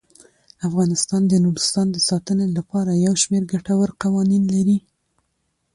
افغانستان د نورستان د ساتنې لپاره یو شمیر ګټور قوانین لري.